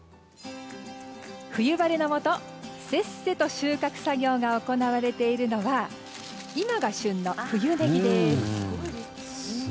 冬晴れの下、せっせと収穫作業が行われているのが今が旬の冬ネギです。